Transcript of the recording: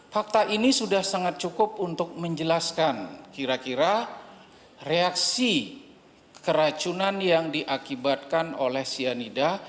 fakta ini sudah sangat cukup untuk menjelaskan kira kira reaksi keracunan yang diakibatkan oleh cyanida